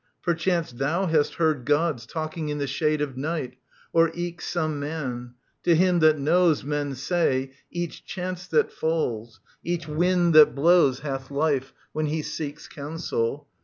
Perchance thou hast heard Gods talking in the shade Of night, or eke some man : to him that knows. Men say, each chance that falls, each wind that blows Hath life, when he seeks counsel.